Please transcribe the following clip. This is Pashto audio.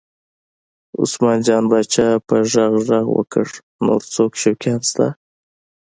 عثمان جان پاچا په غږ غږ وکړ نور څوک شوقیان شته؟